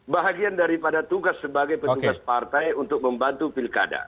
bahagian daripada tugas sebagai petugas partai untuk membantu pilkada